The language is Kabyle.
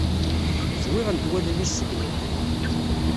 Zwiɣent wallen-is seg imeṭṭi.